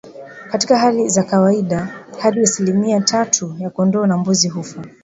Katika hali za kawaida hadi asilimia tatu ya kondoo na mbuzi hufa